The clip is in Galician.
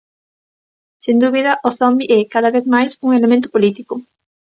Sen dúbida, o zombi é, cada vez máis, un elemento político.